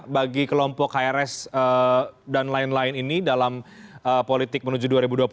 bagi kelompok hrs dan lain lain ini dalam politik menuju dua ribu dua puluh empat